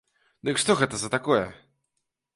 Дык што гэта за такое?